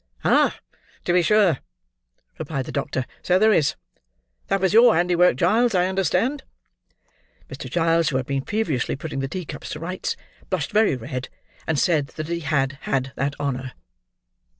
"Ah! to be sure," replied the doctor, "so there is. That was your handiwork, Giles, I understand." Mr. Giles, who had been feverishly putting the tea cups to rights, blushed very red, and said that he had had that honour.